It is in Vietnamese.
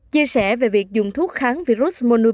chia sẻ về việc dùng thuốc kháng virus monopiravir